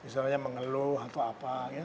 kalau atau apa